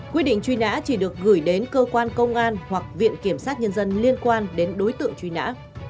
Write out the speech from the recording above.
quy định truy nã chỉ được gửi đến cơ quan công an hoặc viện kiểm sát nhân dân liên quan đến đối tượng truy nã